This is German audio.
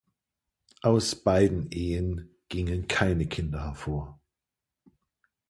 Aus beiden Ehen gingen keine Kinder hervor.